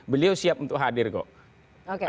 beliau siap untuk hadir kok